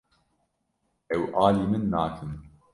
Ew alî min nakin.